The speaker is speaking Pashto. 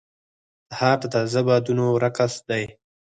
سهار د تازه بادونو رقص دی.